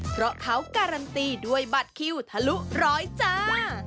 เพราะเขาการันตีด้วยบัตรคิวทะลุร้อยจ้า